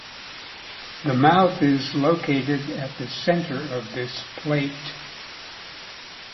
The mouth is located at the center of this plate.